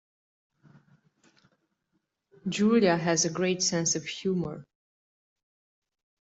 Julia has a great sense of humour